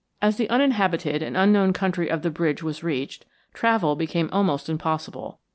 As the uninhabited and unknown country of the bridge was reached, travel became almost impossible.